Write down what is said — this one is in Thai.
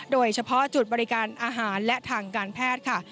โดยเฉพาะจุดบริการอาหารและทางการแพทย์ค่ะ